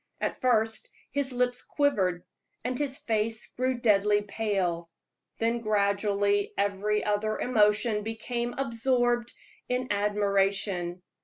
At first his lips quivered, and his face grew deadly pale; then gradually every other emotion became absorbed in admiration.